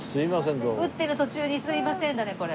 打ってる途中にすいませんだねこれ。